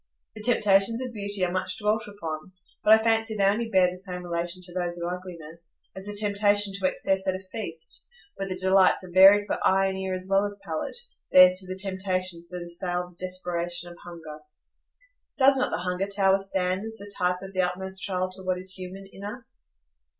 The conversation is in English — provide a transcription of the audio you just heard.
The temptations of beauty are much dwelt upon, but I fancy they only bear the same relation to those of ugliness, as the temptation to excess at a feast, where the delights are varied for eye and ear as well as palate, bears to the temptations that assail the desperation of hunger. Does not the Hunger Tower stand as the type of the utmost trial to what is human in us?